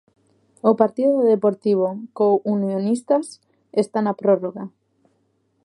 O partido do Deportivo co Unionistas está na prórroga.